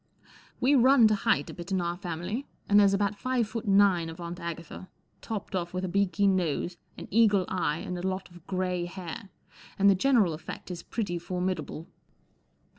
We run to height a bit in our family, and there's about five foot nine of Aunt Agatha, topped off with a beaky nose, an eagle eye, and a lot of grey hair, and the general effect is pretty formidable.